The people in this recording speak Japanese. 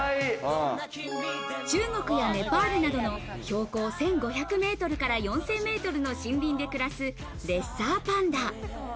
中国やネパールなどの標高１５００メートルから４０００メートルの森林で暮らすレッサーパンダ。